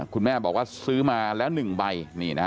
คุณแม่บอกว่าซื้อมาแล้ว๑ใบ